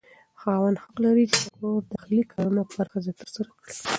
خاوند حق لري چې د کور داخلي کارونه پر ښځه ترسره کړي.